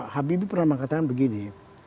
habibie pernah mengatakan begini